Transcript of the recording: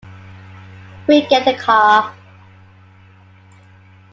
We'll get a car.